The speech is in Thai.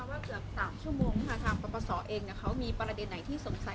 มาทางประประสอบเองเนี้ยเขามีประเด็นไหนที่สงสัย